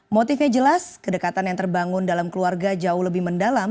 motifnya jelas kedekatan yang terbangun dalam keluarga jauh lebih mendalam